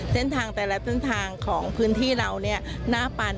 เส้นทางแต่ละเส้นทางของพื้นที่เราหน้าปัน